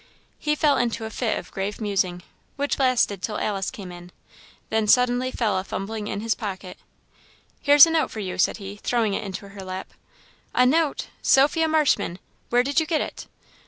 He fell into a fit of grave musing, which lasted till Alice came in, then suddenly fell afumbling in his pocket. "Here's a note for you," said he, throwing it into her lap. "A note! Sophia Marshman where did you get it?"